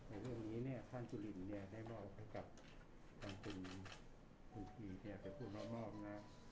อันนี้เนี่ยท่านจุฬินเนี่ยได้บอกให้กับท่านคุณคุณพี่เนี่ยไปพูดรอบนะ